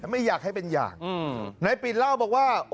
ไม่อยากให้เป็นอย่างนายปิ่นเล่าบอกว่า